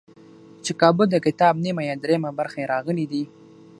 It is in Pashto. چې کابو دکتاب نیمه یا درېیمه برخه یې راغلي دي.